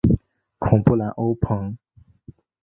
孔布兰欧蓬。